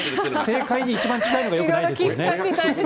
正解に一番近いのがよくないですね。